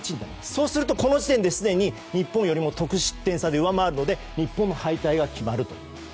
そうすると、この時点ですでに日本よりも得失点差で上回るので日本の敗退が決まると。